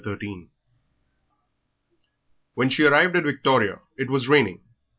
XIII When she arrived at Victoria it was raining.